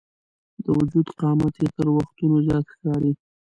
د وجود قامت یې تر وختونو زیات ښکاري.